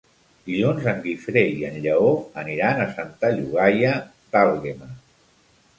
Dilluns en Guifré i en Lleó aniran a Santa Llogaia d'Àlguema.